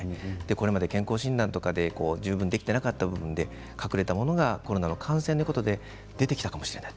これまで健康診断とかで十分できていなかった部分で隠れたものがコロナの感染ということで出てきたかもしれない。